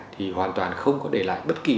thì hoàn toàn không có để lại bất kỳ